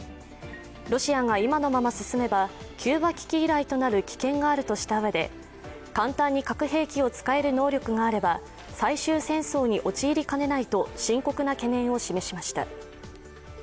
ロシアが今のまま進めばキューバ危機以来となる危険があるとしたうえで簡単に核兵器を使える能力があれば最終戦争に陥りかねないと深刻な懸念を示しました。